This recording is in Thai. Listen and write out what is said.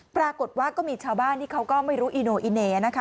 ปรากฏว่าก็มีชาวบ้านที่เขาก็ไม่รู้อีโนอิเน่นะคะ